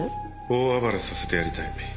大暴れさせてやりたい。